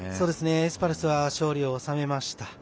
エスパルスは勝利を収めました。